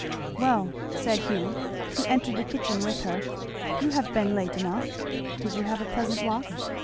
"Well," said Hugh, who entered the kitchen with her, "you have been late enough. Did you have a pleasant walk?